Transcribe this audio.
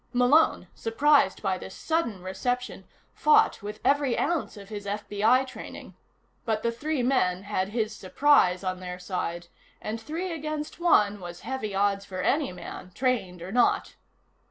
Malone, surprised by this sudden reception, fought with every ounce of his FBI training. But the three men had his surprise on their side, and three against one was heavy odds for any man, trained or not.